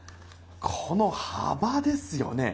この幅ですよね。